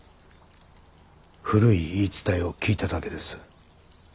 古い言い伝えを聞いただけです。